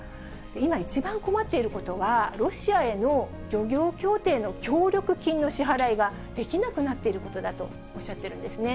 今、一番困っていることは、ロシアへの漁業協定の協力金の支払いができなくなっていることだとおっしゃっているんですね。